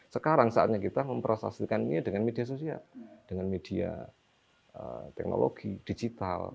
sekarang saatnya kita memperasasikan ini dengan media sosial dengan media teknologi digital